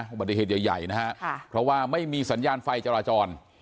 อุบัติเหตุใหญ่นะฮะเพราะว่าไม่มีสัญญาณไฟจราจร